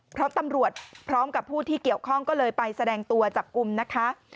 เพราะตำรวจพร้อมกับผู้ที่เกี่ยวข้องก็เลยไปแสดงตัวจับกลุ่มนะคะ